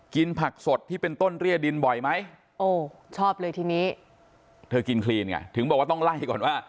ผักสดที่เป็นต้นเรียดินบ่อยไหมโอ้ชอบเลยทีนี้เธอกินคลีนไงถึงบอกว่าต้องไล่ก่อนว่า